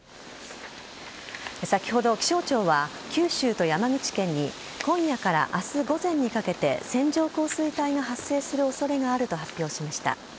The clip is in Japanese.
先ほど気象庁は九州と山口県に今夜から明日午前にかけて線状降水帯が発生する恐れがあると発表しました。